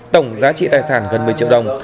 tổng giá trị tài sản gần một mươi triệu đồng